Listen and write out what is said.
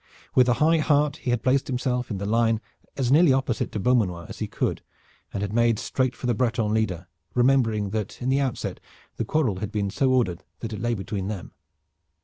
With a high heart he had placed himself in the line as nearly opposite to Beaumanoir as he could, and had made straight for the Breton leader, remembering that in the out set the quarrel had been so ordered that it lay between them.